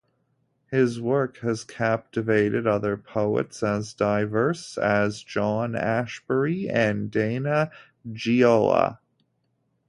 His work has captivated other poets as diverse as John Ashbery and Dana Gioia.